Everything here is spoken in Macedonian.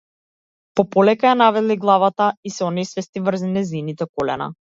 Полека ја навали главата и се онесвести врз нејзините колена.